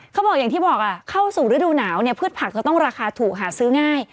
เขาบอกอย่างที่บอกเข้าสู่ฤดูหนาวเนี่ยพืชผักจะต้องราคาถูกหาซื้อง่าย